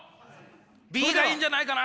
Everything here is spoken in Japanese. Ｂがいいんじゃないかな？